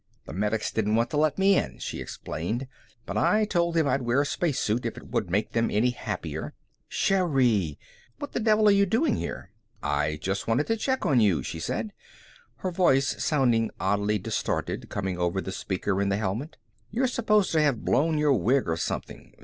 "The medics didn't want to let me in," she explained. "But I told them I'd wear a spacesuit if it would make them any happier." "Sherri! What the devil are you doing here?" "I just wanted to check on you," she said. Her voice sounded oddly distorted coming over the speaker in the helmet. "You're supposed to have blown your wig or something.